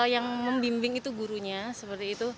yang membimbing itu gurunya seperti itu